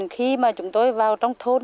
khi mà chúng tôi vào trong thôn